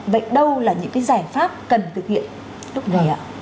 vậy đâu là những cái giải pháp cần thực hiện lúc này ạ